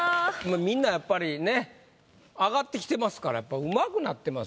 みんなやっぱりね上がってきてますからやっぱただ違います